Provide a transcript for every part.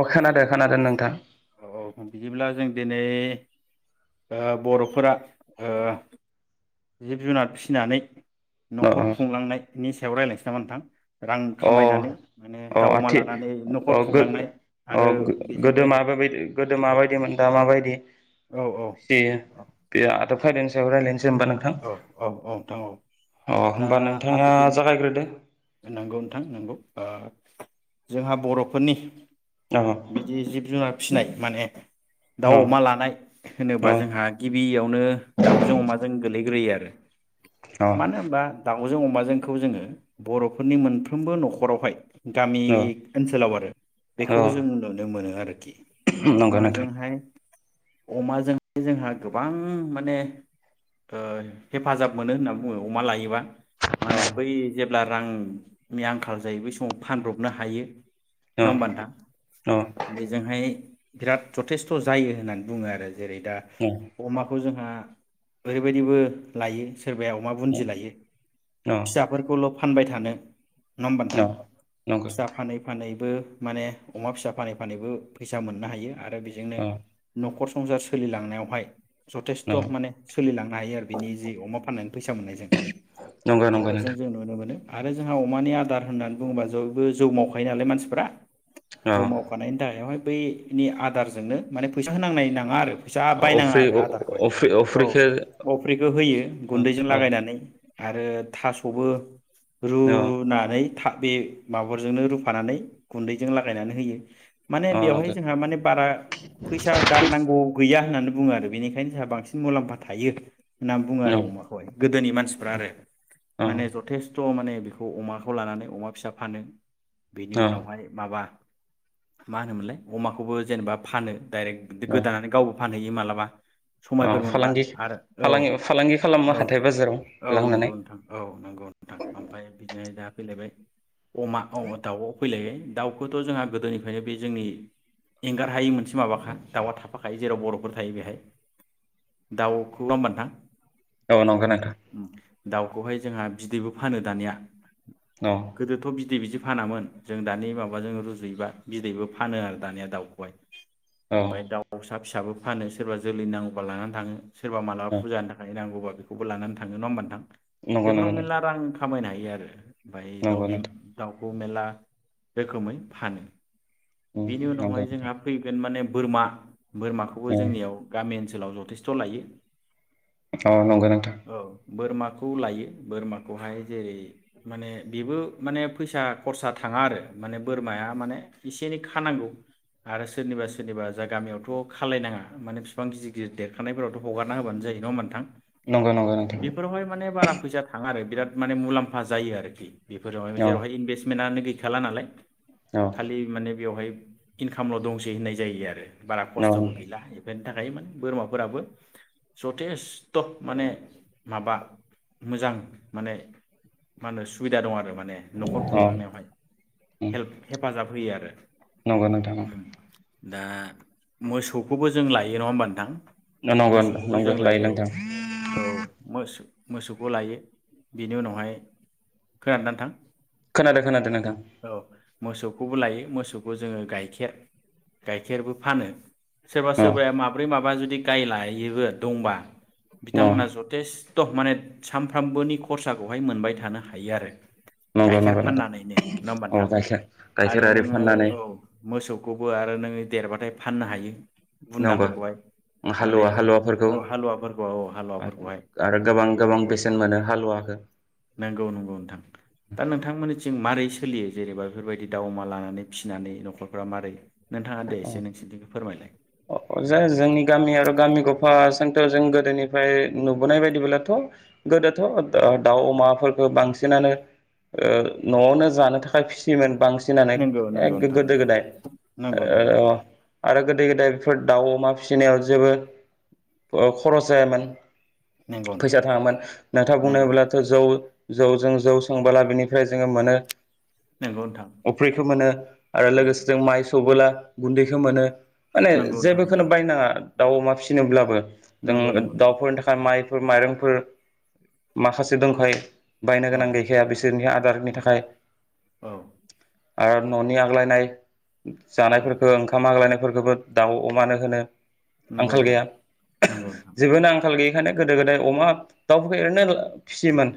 अ खोनादों खोनादों नोंथां। औ औ बिदिब्ला जों दिनै ओ बर'फोरा ओ जिब जुनार फिसिनानै अ न'खर खुंलांनाय नि सायाव रायज्लायनोसै नामा नोंथां। रां अ खामायनानै माने अ दाउ अमा आथि लानानै न'खर अ खुंलांनाय अ आरो गोदो बेजोंनो माबायदि गोदो औ माबायदिमोन दा माबायदि औ औ बे आद हायनो सायाव रालायनो होनबा नोंथां औ औ नोंथां औ अ दा होमबा नोंथाङा जागायग्रोदो। थां नंगौ जोंहा बर'फोरनि अ बिदि जिब जुनार फिनाय माने अ दाउ अमा लानाय होनोबा जोंहा गिबियावनो दाउजों अमाजों होयो आरो। अ मानो होनबा दा उजों अमाजोंखौ जोङो बर'फोरनि मोनफ्रोमबो न'खरावहाय गामि अ ओनसोलाव आरो बेखौ जों अ नुनो मोनो आरो। नंगौ नोंथां अ अमाजोंहाय अमाजों जोंहा गोबां माने ओ हेफाजाब मोनो होनना बुङो अमा लायोबा। माने बै जेब ब्ला रांनि आंखाल जायो बै समाव फानब्रबनो हायो। नंङा होमबा नोंथां बेजोंहाय बिराद जथेस्थ' जायो होननानै बुङो आरो। जेरै दा अमाखौ जोंहा ओरैबायदिबो लायो सोरबाया अमा बुन्दि लायो फिसाफोरखौल' फानबाय थांनो नङा होनबा नोंथां नंगौ फिसा अ फानै फानै बो माने अमा फिसा फानै फानैबो फैसा मोननो हायो। आरो बेजोंनो अ न'खर सं संसार सोलिलांनायावहाय जथेस्थ' माने सोलिलांनो हायो आरो बिनि जे अमा फाननायनि फैसा मोननायजों नंगौ नंगौ बेफोरजों नोंथां जों नुनो मो। आरो जोंहा अमानि आदार होननानै बुङोबा जयबो जौ मावखायो नालाय मानसिफ्रा अ जौ मावखानायनि [unintelligible] बैनि आदारजोंनो माने फैसा होनांनाय नाङा आरो। फैसा बायनाङा अफ्रि आरो आदारखौहाय अफ्रि अ औ अफ्रिखौ होयो अ गुन्दैजों लागायनानै आरो थास'बो अ रुनानै था बे माबाफोरजोंनो रुफानानै गुन्दैजों लागायनानै होयो। माने अ बेवहाय नंगौ जोंहा माने बारा फैसा गारनांगौ गैया। होननानै बु़ङो आरो बेनिखायनो जोंहा बांसि मुलाम्फा थायो होनना बुङो औ आरो अमाखौहाय गोदोनि मान सिफ्रा आरो औ माने जथेस्थ' माने बेखौ अमाखौ लानानै अमा फिसा फानो बेनि औ उनावहाय माबा मा होनोमोनलाय अमाखौबो जेनेबा फानो डाइरेक्ट औ गोदानानै गावबो फानहैयो मालाबा औ समायफोर मोनबा फालांगि आरो औ फालांगि फालांगि खालामो औ हाथाय बाजाराव औ लांनानै नंगौ नोंथां औ नंगौ नोंथां ओमफ्राय बिदिनो दा फैलायबाय अमा औ दाउ फैलाय दाउखौथ' जोंहा गोदोनिफायनो बे जोंनि एंगार हायि मोनसे माबाखा दाउआ थाफाखायो जेराव बर'फोर थायो बेहाय। दाउखौ नंङा होमबा नोंथां औ नंगो नोंथां। उम दाउखौहाय जोंहा बिदैबो फानो दानिया। औ गोदोथ' बिदै बिदि फानामोन जों दानि माबाजों रुजुयोबा बिदैबो फानो आरो दानिया दाउखौहाय औ ओमफाय दाउसा फिसाबो फानो सोरबा जोलै नां गौबा लानानै थाङो। सोरबा मालाबा औ फुजानि थाखाय नांगौबा बेखौबो लानानै थाङो नङा होमबा नोंथां? नंगौ नंगौ बेफोराव मेलला रां खामायनो हायो आरो ओमफाय दाउ नंगौ बिम नोंथां दाउ खौ मेला रोखोमै फानो। उम बेनि नंगौ उनावहाय नोंथां जोंहा फैगोन माने बोरमा बोरमाखौबो औ जोंनियाव गामि ओन सोलाव जथेस्थ' लायो। अ नंगो नोंथां। औ बोरमाखौ लायो बोरमाखौहाय जेरै माने बेबो माने फैसा खरसा थाङा आरो माने बोरमाया माने इसे एनै खानांगौ आरो सोरनिबा सोरनिबा जा गामियावथ' खालायनाङा माने फिफां गिदि दिर देरखानायफोरावथ' हगारना होबानो जायो नङा होनबा नोंथां? नंगौ नंगौ नोंथां बेफोरावहाय माने बारा फैसा थाङा आरो। बिराद माने मुलाम्फा जायो आरोखि। बेफोरावहायबो औ जेरावहाय इनभेस्टमेनआनो गै खाला नालाय। औ खालि माने बेवहाय इनखामल' दंसै होननाय जायो आरो। बारा खस्थ'बो गैला इभेन टाकायोमोन। बोरमाफोराबो जथेस्थ' माने माबा मोजां माने मा होनो सुबिदा दं आरो मा ने न'खर खुंलांनायावहाय उम हेल्फ हेफाजाब होयो आरो। नंगौ नोंथां औ। उम दा मोसौखौबो जों लायो नङा होमबा नों थां नंगौ मोसौखौबो नंगौ जों लायो औ नोंथां औ मोस मोसौखौ लायो बिनि उनावहाय खोनादों ना नोंथां? खोनादो खोनादो नोंथां। खौबो लायो मोसौखौ जोङो गाइखेर गाइखेरबो फानो सोरबा औ सोरबाया माब बाब्रै माबा जुदि गाय लायोबो दंबा बिथांमोनहा जथेस्थ' माने सानफ्रामबोनि खरसाखौहाय मोनबाय थानो हायो आरो। नंगौ गाइखेर नंगौ नोंथां फाननानैनो नङा होमबा औ नोंथां गाइखेर गाइखेर आरो आरि नोङो फाननानै औ मोसौखौबो आरो नोङो देरबा थाय फाननो हायो। नंगौ बुन्दाफोर खौहाय माने हालुवा हालुवाफोरखौ औ हालुवाफोरखौ औ हालुवाफोरखौहाय आरो गोबां गोबां बेफोरखौहाय बेसेन मोनो नोंगौ नंगौ नोंथां दा नोंथांमोननिथिं मारै सोलियो जेनेबा बेफोरबायदि दाउ अमा लानानै फिसिनानै न'खरफ्रा मारै नोंथाङा दे एसे हालुवाखौ नोंसिनिथिंखौ फोरमायलाय। जे जोंनि गामि आरो गामि गफा सोंथार जों गोदोनिफ्राय नुबोनाय बायदिबोलाथ' गोदोथ' दा-दाउ अमाफोरखौ बांसिनानो ओ न'आवनो जानो थाखाय फिसियोमोन। बांसिनानो एख एग्गो गोदो नंगौ गोदाय। नंगौ नंगौ ओ नोंथां। आरो गोदो गोदाय बेफोर दाउ अमा फिसिनायाव जेबो ओ खरस जायामोन। नंगौ नोंथां फैसा थाङामोन नोंथाङा बुंनो नंगौ होब्लाथ' जौ जौ जों जौ सोंबोला बिनिफ्राय जोङो मोनो नोंथां अफ्रिखौ मोनो आरो नंगौ लोगोसे जों माइ सौबोला गुन्दैखौ मोनो। माने नंगौ नोंथां जेबोखौनो बायनाङा दाउ अमा फिसिनोब्लाबो। जों नंगौ नंगौ नोंथां नंगौ नोंथां दाउफोरनि थाखाय माइ फोर माइरंफोर माखासे दंखायो। बायनो औ गोनां गैखाया बिसोरनि आदारनि औ थाखाय। औ आरो न'नि आग्लायनाय औ जानायफोरखौ ओंखाम आग्लायनाय फोरखोबो दाउ अमानो होनो नंगौ आंखाल नोंथां गैया नंगौ नोंथां [inaudible] जेबोनो आंखाल गैयिखायनो गोदो गोदाय अमा दाउफेरनोल फिसियोमोन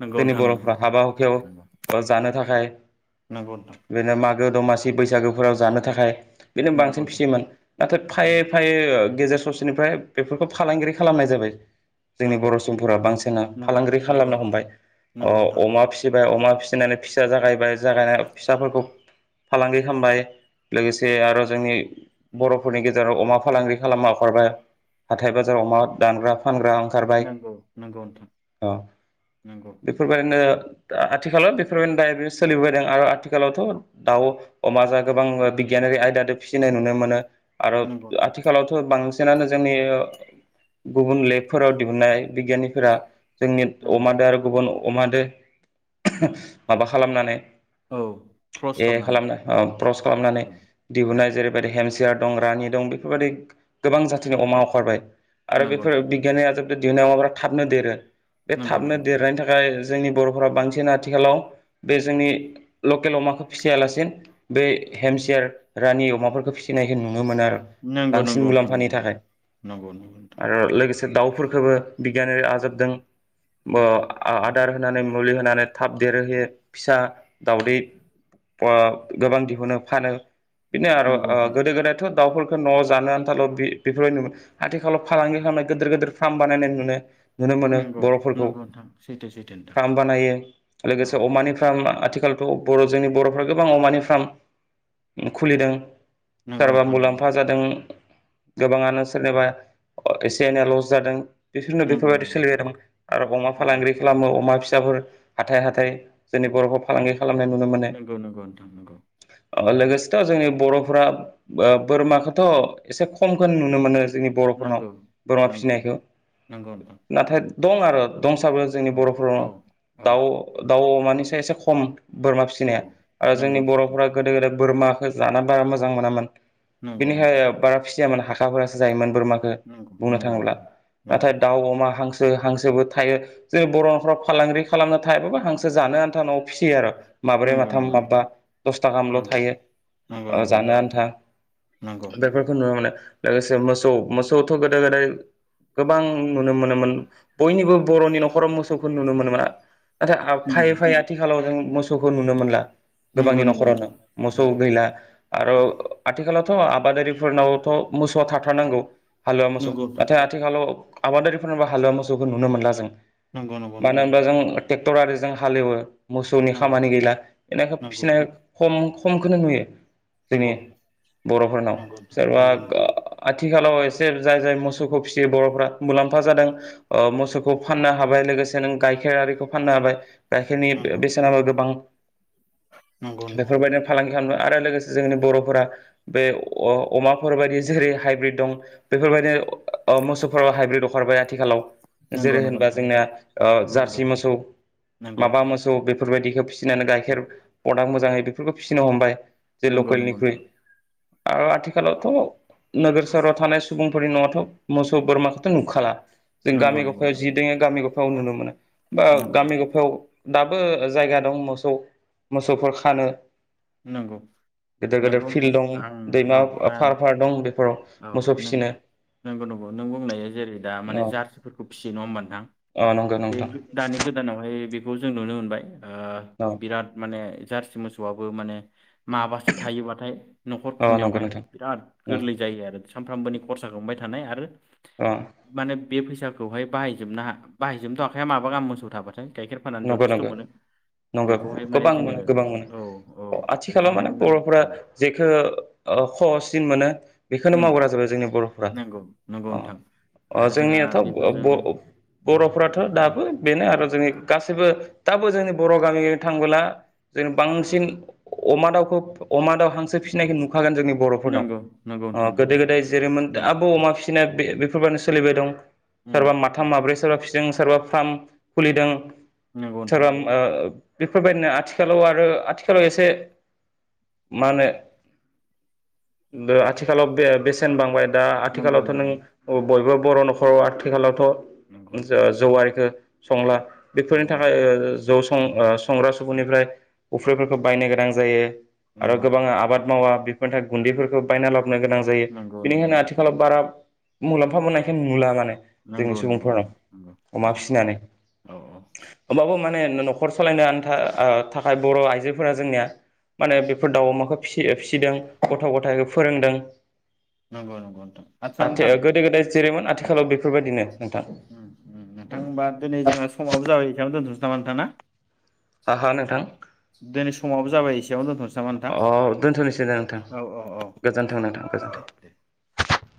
नंगौ [unintelligible] नोंथां बर फ्रा नंगौ हाबा हुखायाव ओ जानो थाखाय नंगौ नंगौ बिदिनो मागो दमासि बि बैसागु हराव जानो थाखाय बेनो बांसिन नोंथां फिसियोमोन नाथाय फायै नंगौ फायै गेजेर ससेनिफ्राय बेफोरखौ फालांगिरि खालामनाय जाबाय जोंनि बर नोंथां सुबुंफोरा बांसिना फालांगिरि खालामनो नंगौ हमबाय नंगौ नंगौ नोंथां अ-अमा फिसिबाय अमा फिसिनानै फिसा जागायबाय जागायना फिसाफोरखौ फालांगि खामबाय लोगोसे आरो जोंनि बर फोरनि गेजेराव अमा फालांगि खालामा [unintelligible] हाथाय बाजाराव अमा दानग्रा फानग्रा खारबाय नंगौ नंगौ नोंथां ओ नंगौ बेफोरबायदिनो दा आथिखालाव बेफोरबायदिनो दा ओरैनो सोलिबोबायदों आरो आथिखालावथ दाउ अमा जा गोबां बिगियानारि आयदादो फिसिनाय नुनो मोनो आरो नंगौ नोंथां आथिखालावथ बांसि नानो जोंनि गुबुन लेबफोराव दिहुननाय बिगियानिफोरा जोंनि नंगौ अमा दो आरो गुबुन अमादो माबा खालामनानै औ क्रस ए खालामनानै खालामना औ [unintelligible] खालामनानै औ औ दिहुननाय जेरैबायदि हेमसियार दं रानि दं बेफोरबायदि गोबां जाथिनि अमा अंखारबाय। आरो नंगौ बेफोर नोंथां बिगियाननि आदोब देनाय अमाफोरा थाबनो देरो। बे नंगौ थाबनो नंगौ नोंथां देरनायनि थाखाय जोंनि बर'फोरा बांसिन आथिखालाव बे जोंनि लकेल अमाखौ फिसियालासे बे हेमसियार रानि अमाफोरखौ फिसिनाय होन [unintelligible] बांसिन मुलाम्फानि नंगौ थाखाय नंगौ नोंथां आरो लोगोसे दाउफोरखौबो बिगियानारि आदबदों आदार होनानै मुलि होनानै थाब देरोहोयो फिसा दावदै प [unintelligible] गोबां दिहुनो फानो। बिदिनो आरो नंगौ गोदो गोदायथ' दाउफोरखौ न'आव जानो आन्थाल' बि बेफोरबायदि नुगोन आथिखालाव फालांगि खालामनाय गोदिर गोदिर फार्म बानायनाय नुनो नुनो नंगौ नोंथां मोनो नंगौ नोंथां नंगौ बर'फोरखौ नंगौ नोंथां सैथो सैथो नोंथां फार्म बानायो लोगोसे औ अमानि फार्म आथिखालथ' बर' जोंनि बर'फ्रा गोबां अमानि फार्म खुलिदों। नंगौ सोरबा नोंथां नंगौ मुलाम्फा जादों गोबाङानो सोरनिबा अ एसे एनै लस जादों। बिसोरनो बेफोरबायदि नंगौ सोलिलांदों आरो अमा फालांगि खालामो अमा फिसा फोर हाथाइ हाथाइ जोंनि बर'खौ फालांगि खालामनाय नुनो मोनो नंगौ नंगौ नोंथां। नंगौ [inaudible] ओ लोगोसेथ' जोंनि बर'फ्रा ओ बोरमाखौथ' एसे खमखौ नुनो मोनो। जोंनि बर'फोरनाव नंगौ बोरमा नंगौ नोंथां नंगौ फिसिनायखौ नंगौ नोंथां नाथाय दं आरो दंसाबो जोंनि औ बर'फोराव औ औ दाउ दाउ मानिसाय एसे खम बोरमा औ फिसिनाया आरो जोंनि नंगौ सैथो बर'फोरा नोंथां गोदो गोदाय बोरमा जाना बारा मोजां मोनामोन नंगौ नंगौ बेनिखायनो बारा फि जाया मानो हाखाफोरासो जायोमोन बोरमाखो नंगौ बुंनो नंगौ थाङोब्ला नंगौ नंगौ नाथाय दाउ अमा हांसो जों हांसोबो थायो जों बर'फ्रा फालांगि खालामनो थायाबाबो हांसो जानो आन्था न'आव फिसियो आरो माब्रै नंगौ माथाम नंगौ नोंथां माबबा दसथा गाहामल नंगौ थायो नंगौ नंगौ जानो नोंथां आन्था नंगौ बेफोरखौनो खौनो लोगोसे मोसौ मोसौथ गोदो गोदाय गोबां नुनो मोनोमोन बयनिबो बर'नि न'खर खराव मोसौखौ नुनो मोनो नाथाय फायै नंगौ फाफै आथिखालाव जों मोसौखौ नुनो मोनला नंगौ गोबांनि नंगौ न'खरावनो नोंथां मोसौ नंगौ गैला आरो आथिखालावथ आबादारिफोरनावथ मोसौआ थाथारनांगौ हालुवा मोसौ नंगौ नोंथां नाथाय आथिखालाव आबादारिफोरनावबो हालुवा मोसौखौ नुनो मोनला जों नंगौ नंगौ नोंथां ट्रेक्टर‌आरिजों हालेवो मोसौनि नंगौ खामानि गैला एनेखा नंगौ फिसिनाय खम खमखोनो नुयो जोंनि नंगौ बर'फोरनाव सोरबा नंगौ नोंथां आथिं आथिखालाव एसे जाय जाय मोसौखौ फिसियो बर'फ्रा मुलाम्फा जादों ओ मोसौखौ फाननो हाबाय लोगोसे नों गाइखेर आरिखौ फाननो हाबाय गायखेरनि बेसेनाबो गोबां नंगौ नोंथां बेफोरबायदिनो फालांगि खालामनो आरो लोगोसे जोंनि बर'फोरा बे अमाफोरबायदि जेरै हाइब्रिद दं बेफोरबायदि औ मोसौफोराव हाइब्रिद अखारबाय आथिखालाव नंगौ जेरै होनबा जोंनिया ओ जारसि मोसौ नंगौ माबा मोसौ बेफोर बेफोर बायदिखो फिनानो गाइखेर मोजांङै बेफोरखौ फिसिनो हमबाय जे नंगौ नोंथां नंगौ लकेलनिख्रुइ नोंथां आरो आथिखालावथ' नोगोर सोहोराव थानाय सुबुंफोरनि न'थ' मोसौ बोरमाखौथ' नुखाला नंगौ औ नंगौ नोंथां जों नंगौ गामि नंगौ गफायाव नोंथां जि दंङ गामि गफा औ नुनो मोनो बा नंगौ गामि गफायाव दाबो जायगा दं मोसौ मोसौफोर खानो नंगौ गेदेर गेदेर नंगौ फिल्ड नोंथां दं दैमा आं औ दा फार फार दं बेफोराव औ मोसौ नों फिसिनो नंगौ नंगौ नों बुंनाया जेरै दा माने औ जार्सिफोरखौ फिसियो नंङा होमबा नोंथां अ नंगौ बे नोंथां दानि गोदानावहाय बे बेखौ जों नुनो मोनबाय औ ओ बिराद माने जारसि मोसौ बो माने माबासो थायोबाथाय न'खर अ नंगौ खुंनायावहाय नोंथां बिराद अ गोरलै जायो आरो सामफ्रामबोनि खरसाखौ थानाय आरो अ माने बे फैसाखौहाय बाहायजोबनो हा बाहायजोबनोथ हाखाया माबा गाहाम मोसौ थाबाथाय गाइखेर फानानानै नंगौ जथेस्थ नंगौ मोनो नंगौ बेखौहाय माने गोबां मोनो गोबां मोनो जोङो औ आथिखालाव बेजोंहाय माने बरफोरा औ जेखो ओ खहससिन मोनो बेखोनो उम मावग्रा जाबाय जोंनि बरफोरा। नंगौ नंगौ अ नोंथां अ आरो जोंहा जोंनियाथ ब बेफोरजों ओ ब बरफोराथ दाबो बेनो आरो जोंनि गासैबो दाबो जोंनि बर गामि थांबोला जों बांसिन अमा दाउखौ अमा दाउ हांसो फिसिनायखो नु खागोन जोंनि बरफोरनाव, नंगौ नंगौ अ नोंथां गोदो नंगौ गोदाय जेरैमोन उम दाबो अमा फिसि नाय बे बेफोरबानो सोलिबाय दं उम सोरबा माथाम माब्रै सोरबा फिसिदों सोरबा फ्राम खुलिदों नंगौ नोंथां सोरबाम ओ बेफोरबायदिनो आथिखालाव आरो आथिखालाव एसे मा होनो दो आथिखालाव दे बेसेन बांबाय दा नंगौ आथिखालावथ नों नंगौ औ बयबो बर नखराव आथिखालावथ नंगौ जो जौवारिखो संला बेफोरनि नंगौ थाखाय ओ जौ सं ओ संग्रा सुबुंनिफ्राय उफ्रिफोरखो बायनो गोनां जायो आरो नंगौ नोंथां गोबाङा आबाद मावा बि फोरनिथा गुन्दैफोरखौ बायना लाब नो गोनां जायो, नंगौ नंगौ बेनिखायनो नोंथां आथिखालाव बारा मुलाम्फा मोननायखो नुला माने। जोंनि नोंगौ नोंगौ सुबुंफोरनाव नोंथां नोंगौ नोंगौ औ औ। ओमबाबो माने नो नखर सलायनो आन्था ओ थाखाय बर' आइजोफोरा जोंनिया मा होनो बेफोर दाउ, अमाखो फिसियो फिसिदों गथ' गथायखौ फोरोंदों। नोंगौ नोंगौ नोंथां आतसा नोंथां खालाव बेफोरबायदिनो नोंथां उम उम नोंथां होमबा दिनै जोङो समाबो जाबाय नोंथां, दोनथ'नोसै नामा नोंथां ना? आह हा नोंथां? दिनै समाबो जाबाय एसे अह दोनथ'नोसै ना नोंथां औ औ औ गोजोनथों नोंथां दे दे गोजोनथों।